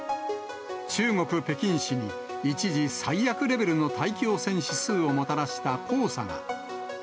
中国・北京市に一時、最悪レベルの大気汚染指数をもたらした黄砂が。